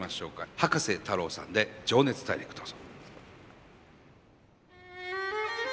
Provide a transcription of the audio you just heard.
葉加瀬太郎さんで「情熱大陸」どうぞ。